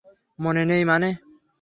মন নেই মানে?